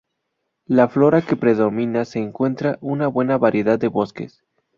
La flora que predomina se encuentra una buena variedad de bosques.